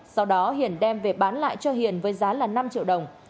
sau đó hiển đem về bán lại cho hiển với giá là năm triệu đồng